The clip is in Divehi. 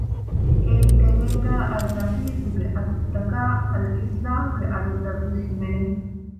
އޭގެ ތެރޭގައި އައްރަފީޤު ގެ އަދަދުތަކާއި އަލްއިޞްލާހު ގެ އަދަދުތައް ވެސް ހިމެނެ